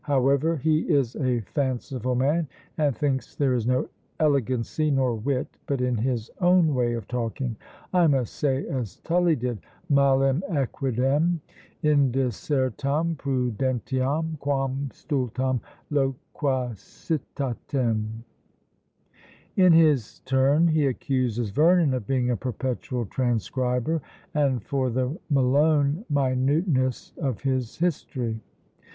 However, he is a fanciful man, and thinks there is no elegancy nor wit but in his own way of talking. I must say as Tully did, Malim equidem indisertam prudentiam quam stultam loquacitatem." In his turn he accuses Vernon of being a perpetual transcriber, and for the Malone minuteness of his history.